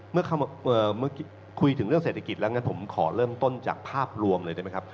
เมื่อคุยถึงเรื่องเศรษฐกิจแล้วงั้นผมขอเริ่มต้นจากภาพรวมเลยได้ไหมครับ